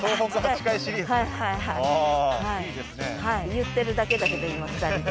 言ってるだけだけど今２人で。